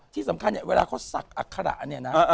ที่สำคัญเนี่ยเวลาเขาศักดิ์อัคระเนี่ยนะ